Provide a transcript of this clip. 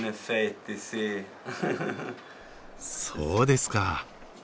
そうですか。